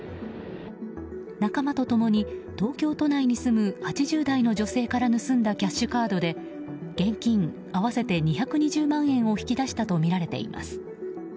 仲間と共に東京都内に住む８０代の女性から盗んだキャッシュカードで現金合わせて２２０万円を引き出したとみられています。